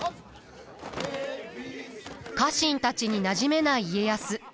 家臣たちになじめない家康。